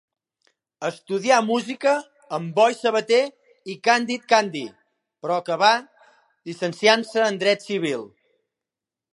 Estudià música amb Boi Sabater i Càndid Candi, però acabà llicenciant-se en dret civil.